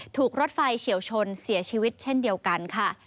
ถูกรถไฟเฉียวชนเสียชีวิตเช่นเดียวกันค่ะ